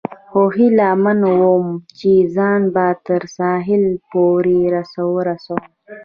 خو هیله من ووم، چې ځان به تر ساحل پورې ورسوم.